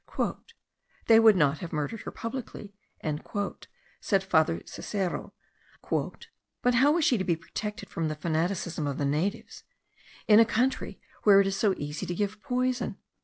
"They would not have murdered her publicly," said father Cesero, "but how was she to be protected from the fanaticism of the natives, in a country where it is so easy to give poison?